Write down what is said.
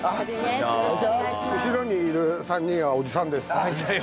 後ろにいる３人はおじさんです。